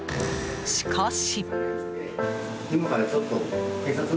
しかし。